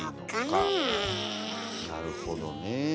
なるほどねえ。